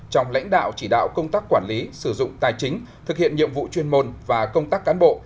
trong lãnh đạo chỉ đạo công tác quản lý sử dụng tài chính thực hiện nhiệm vụ chuyên môn và công tác cán bộ